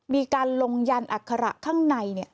มีการลงยันอัคระข้างใน